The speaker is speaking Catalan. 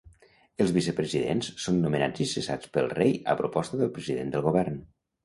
Els vicepresidents són nomenats i cessats pel rei a proposta del president del Govern.